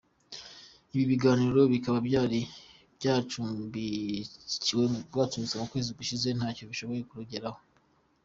Ibi biganiro bikaba byari byacumbitswe mu kwezi gushize ntacyo bishoboye kugeraho.